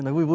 nói vui vẻ